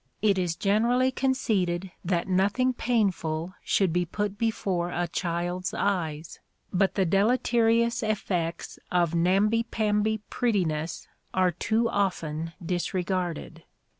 It is generally conceded that nothing painful should be put before a child's eyes; but the deleterious effects of namby pamby prettiness are too often disregarded.